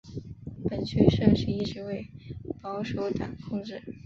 本区议席一直为保守党控制。